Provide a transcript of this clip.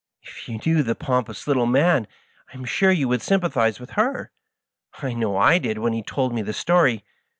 If you knew the pomp ous little man, I am sure you would sympathize with her. I know I did when he told me the story.